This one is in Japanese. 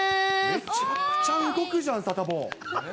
めちゃくちゃ動くじゃん、サタボー。